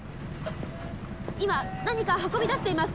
今何か運び出しています。